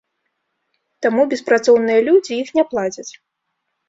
Таму беспрацоўныя людзі іх не плацяць.